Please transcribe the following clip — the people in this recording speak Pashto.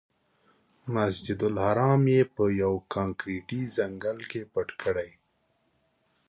مسجدالحرام یې په یوه کانکریټي ځنګل کې پټ کړی.